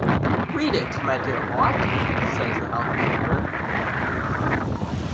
"Read it, my dear Watt," says the housekeeper.